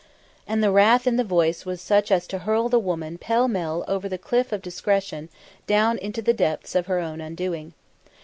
And the wrath in the voice was such as to hurl the woman pell mell over the cliff of discretion down into the depths of her own undoing.